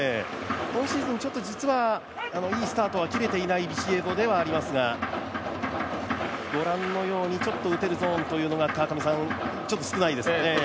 今シーズン実はいいスタートは切れていないビシエドではありますがごらんのように打てるゾーンがちょっと少ないですよね。